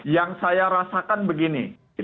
yang saya rasakan begini